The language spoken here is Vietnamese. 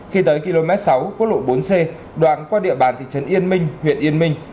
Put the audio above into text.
khi tới km sáu quốc lộ bốn c đoạn qua địa bàn thị trấn yên minh huyện yên minh